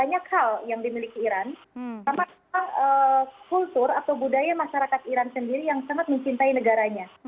banyak hal yang dimiliki iran sama sama kultur atau budaya masyarakat iran sendiri yang sangat mencintai negaranya